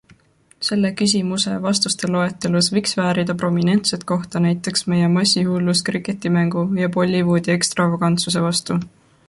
Selle küsimuse vastuste loetelus võiks väärida prominentset kohta näiteks meie massihullus kriketimängu ja Bollywoodi ekstravagantsuse vastu.